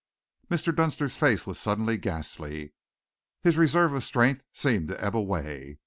Mr. Dunster's face was suddenly ghastly. His reserve of strength seemed to ebb away.